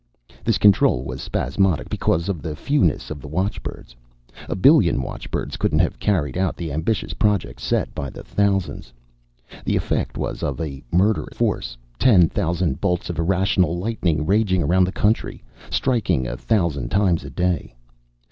This control was spasmodic, because of the fewness of the watchbirds. A billion watchbirds couldn't have carried out the ambitious project set by the thousands. The effect was of a murderous force, ten thousand bolts of irrational lightning raging around the country, striking a thousand times a day.